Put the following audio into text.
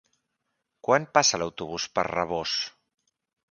Quan passa l'autobús per Rabós?